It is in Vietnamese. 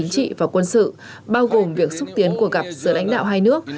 các bước chính trị và quân sự bao gồm việc xúc tiến cuộc gặp giữa lãnh đạo hai nước